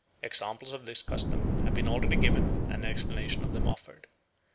Examples of this custom have been already given and an explanation of them offered.